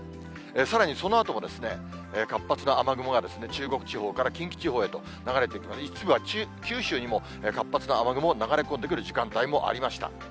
さらにそのあとも活発な雨雲が中国地方から近畿地方へと流れていく、一部は九州にも活発な雨雲が流れ込んでくる時間帯もありました。